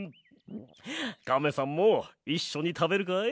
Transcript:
カメさんもいっしょにたべるかい？